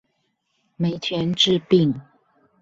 沒錢治病